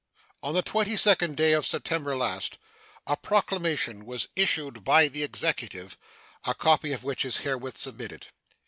On the 22d day of September last a proclamation was issued by the Executive, a copy of which is herewith submitted.